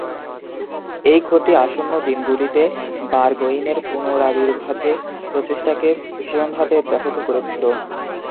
এই ক্ষতি আসন্ন দিনগুলিতে বারগোইনের পুনরাবির্ভাব প্রচেষ্টাকে ভীষণভাবে ব্যাহত করেছিল।